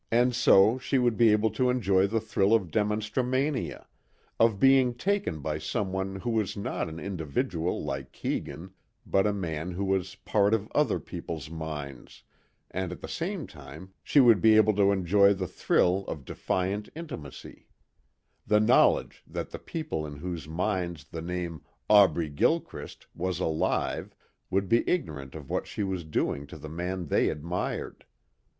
And so she would be able to enjoy the thrill of demonstromania of being taken by someone who was not an individual like Keegan but a man who was part of other people's minds and at the same time she would be able to enjoy the thrill of defiant intimacy; the knowledge that the people in whose minds the name Aubrey Gilchrist was alive would be ignorant of what she was doing to the man they admired.